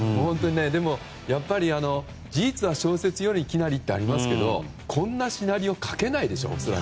でも、やっぱり事実は小説より奇なりってありますがこんなシナリオ書けないでしょ。